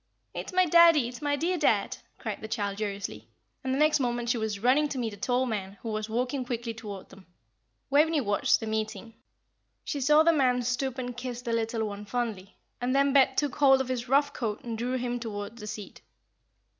"It is my daddie. It is my dear dad," cried the child, joyously, and the next moment she was running to meet a tall man, who was walking quickly towards them. Waveney watched the meeting. She saw the man stoop and kiss the little one fondly; and then Bet took hold of his rough coat and drew him towards the seat.